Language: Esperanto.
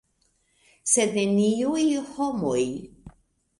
Sed neniuj homoj.